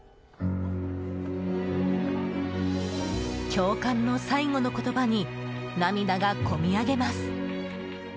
教官の最後の言葉に涙がこみ上げます。